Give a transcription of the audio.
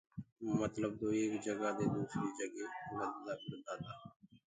متلب تو ايڪ جگآ دي دوٚسريٚ جگي لددا ڦِردآ تآ۔